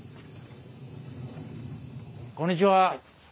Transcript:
こんにちは。